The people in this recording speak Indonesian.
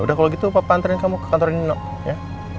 yaudah kalau gitu papa antarin kamu ke kantor nino ya